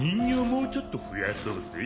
もうちょっと増やそうぜ。